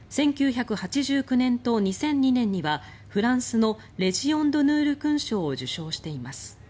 １９８９年と２００２年にはフランスのレジオン・ドヌール勲章を受章しています。